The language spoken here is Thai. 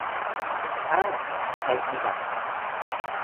อ้าว ไทยพีดับ